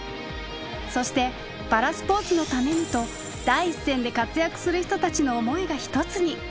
そしてパラスポーツのためにと第一線で活躍する人たちの思いが一つに。